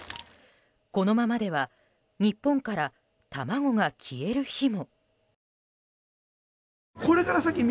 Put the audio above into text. このままでは日本から卵が消える日も。